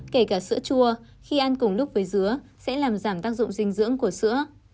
kể cả sữa chua khi ăn cùng lúc với dứa sẽ làm giảm tác dụng dinh dưỡng của sữa